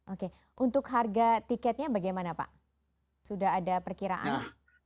oke untuk harga tiketnya bagaimana pak sudah ada perkiraan